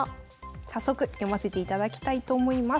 早速読ませていただきたいと思います。